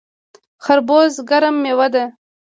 خربوزه ګرمه میوه ده